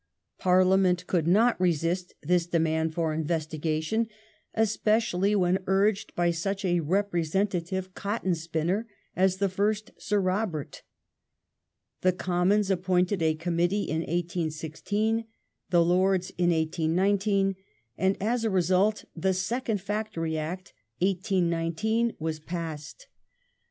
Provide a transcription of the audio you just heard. Parliament could not resist this demand for investigation, especially when urged by such a representative cotton spinner as the fii*st Sir Robert. The Com mons appointed a Committee in 1816, the Lords in 1819, and as a result the Second Factory Act (1819) was passed.